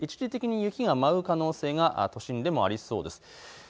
一時的に雪が舞う可能性が都心でもありそうです。